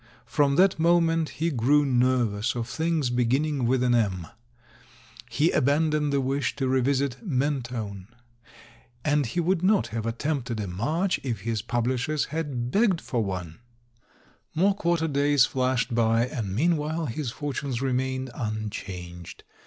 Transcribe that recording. From that moment he grew nervous of things be ginning with an M. He abandoned the wish to revisit Mentone; and he would not have attempt ed a march if his publishers had begged for one. S28 THE MAN WHO U>:DERST00D WOMEN More quarter days flashed by, and meanwhile his fortunes remained unchanged.